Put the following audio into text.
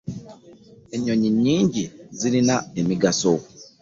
Ennyonyi nyingi zirina emigaso.